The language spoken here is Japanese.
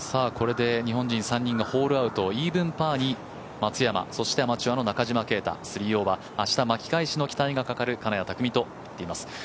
これで日本人３人がホールアウトイーブンパーに松山そしてアマチュアの中島啓太３アンダー明日、巻き返しの期待がかかる金谷拓実となります。